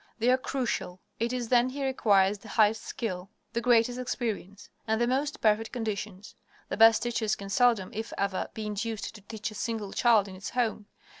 They are crucial. It is then he requires the highest skill, the greatest experience, and the most perfect conditions. The best teachers can seldom, if ever, be induced to teach a single child in its home.